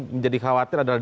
menjadi khawatir adalah